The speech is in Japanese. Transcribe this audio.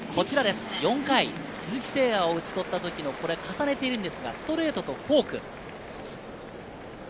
４回、鈴木誠也を打ち取ったとき重ねているんですが、ストレートとフォーク。